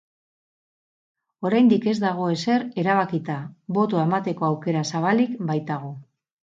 Oraindik ez dago ezer erabakita, botoa emateko aukera zabalik baitago.